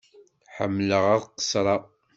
Ḥemmleɣ ad qessreɣ.